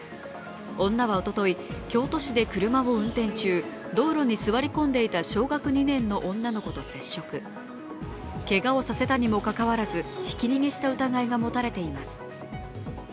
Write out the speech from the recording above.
女はおととい、京都市で車を運転中道路に座り込んでいた小学２年の女の子と接触けがをさせたにもかかわらず、ひき逃げした疑いが持たれています。